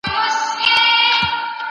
په زړه مي ژړوې ګــراني!